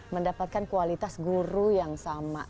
mendapatkan kualitas guru yang sama